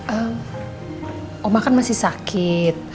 eh omah kan masih sakit